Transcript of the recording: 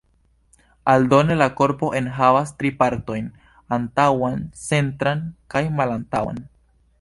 Aldone, la korpo enhavas tri partojn: antaŭan, centran kaj malantaŭan.